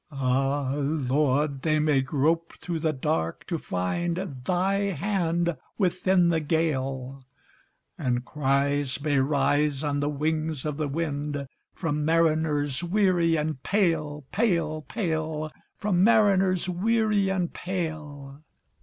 Ah, Lord! they may grope through the dark to find Thy hand within the gale; And cries may rise on the wings of the wind From mariners weary and pale, pale, pale From mariners weary and pale!